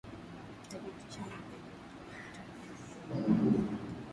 Hakikisha mzoga wenye kimeta na vifaa vilivyoambukizwa vimezikwa vizuri kwenye shimo refu futi sita